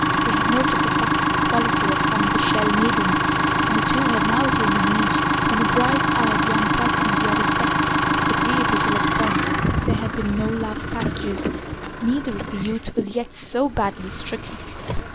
They had noted the buxom quality of some of the Shell maidens, and the two had now attained an age when a bright eyed young person of the other sex was agreeable to look upon. But there had been no love passages. Neither of the youths was yet so badly stricken.